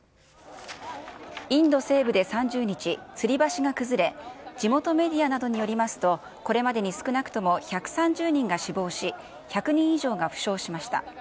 インド西部で３０日、つり橋が崩れ、地元メディアなどによりますと、これまでに少なくとも１３０人が死亡し、１００人以上が負傷しました。